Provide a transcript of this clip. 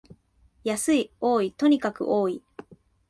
安い、多い、とにかく多い